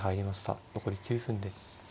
残り９分です。